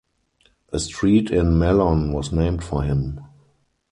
A street in Melun was named for him.